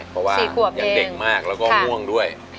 เพราะว่ายังเด็กมากแล้วก็ง่วงด้วย